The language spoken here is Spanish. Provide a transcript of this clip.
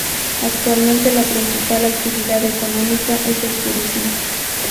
Actualmente la principal actividad económica es el turismo.